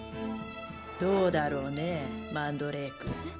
どうだろうねマンドレーク。